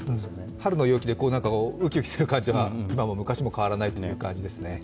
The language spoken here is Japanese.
春の陽気でウキウキする感じは今も昔も変わらないという感じですね。